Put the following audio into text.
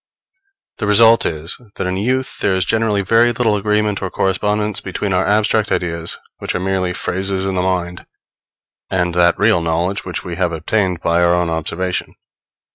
The result is, that in youth there is generally very little agreement or correspondence between our abstract ideas, which are merely phrases in the mind, and that real knowledge which we have obtained by our own observation.